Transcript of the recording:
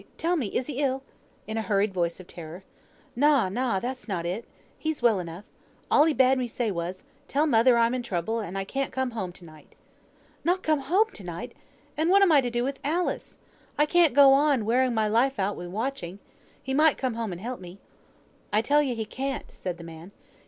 tell me, is he ill?" in a hurried voice of terror. "Na, na, that's not it. He's well enough. All he bade me say was, 'Tell mother I'm in trouble, and can't come home to night.'" "Not come home to night! And what am I to do with Alice? I can't go on, wearing my life out wi' watching. He might come and help me." "I tell you he can't," said the man.